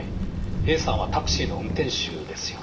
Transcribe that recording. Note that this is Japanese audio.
Ａさんはタクシーの運転手ですよね。